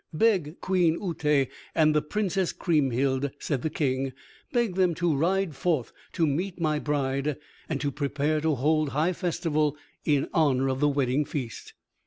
"Beg Queen Uté and the Princess Kriemhild," said the King, "beg them to ride forth to meet my bride and to prepare to hold high festival in honor of the wedding feast."